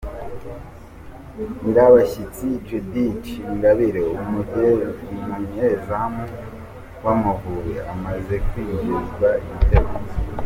Nyirabashyitsi Judith Ingabire umunyezamu w’Amavubi amaze kwinjizwa igitego